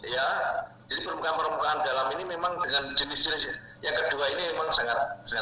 ya jadi permukaan permukaan dalam ini memang dengan jenis jenis yang kedua ini memang sangat sehat